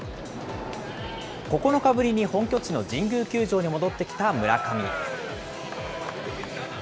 ９日ぶりに本拠地の神宮球場に戻ってきた村上。